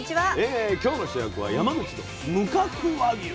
今日の主役は「山口の無角和牛」と。